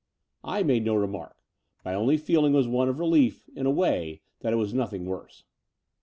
I made no remark. My only feeling was one of relief, in a way, that it was nothing worse.